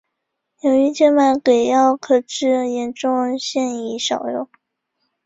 由于静脉给药可致严重现已少用。